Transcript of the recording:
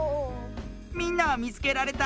みんなはみつけられた？